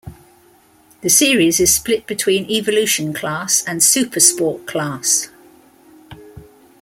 The series is split between Evolution class and Supersport class.